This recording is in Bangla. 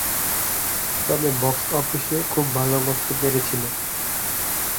তবে বক্স অফিসে খুব ভাল করতে পেরেছিল।